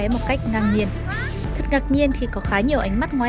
một vài người dân đã xuất hiện và dành lời khuyên cho cô gái